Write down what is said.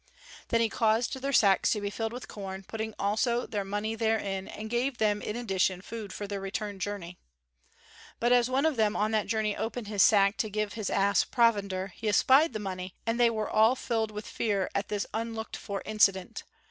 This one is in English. Then he caused their sacks to be filled with corn, putting also their money therein, and gave them in addition food for their return journey. But as one of them on that journey opened his sack to give his ass provender, he espied the money; and they were all filled with fear at this unlooked for incident.